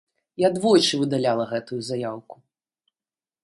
Я двойчы выдаляла гэтую заяўку.